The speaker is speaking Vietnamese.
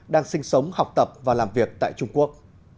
đang sinh sống học tập và làm việc tại trung quốc